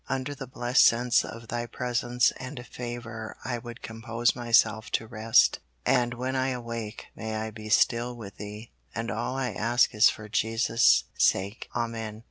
Under the blessed sense of Thy presence and favor I would compose myself to rest, and when I awake, may I be still with Thee. And all I ask is for Jesus' sake. Amen.